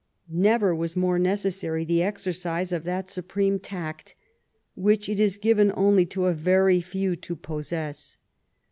Never was more necessary the exercise of that supreme tact which it is given only to a very few to possess.